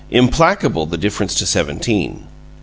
Implacable, the difference to Seventeen!